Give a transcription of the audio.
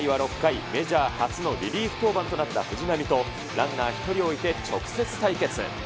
試合は６回、メジャー初のリリーフ登板となった藤浪と、ランナー１人を置いて、直接対決。